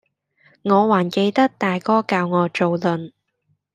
我還記得大哥教我做論，